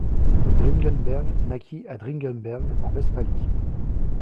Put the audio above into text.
Dringenberg naquit à Dringenberg en Westphalie.